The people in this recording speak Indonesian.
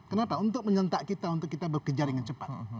kenapa untuk menyentak kita untuk kita bekerja dengan cepat